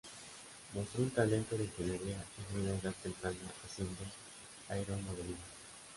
Mostró un talento de ingeniería en una edad temprana, haciendo aeromodelismo.